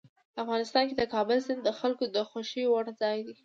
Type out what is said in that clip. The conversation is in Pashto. افغانستان کې د کابل سیند د خلکو د خوښې وړ ځای دی.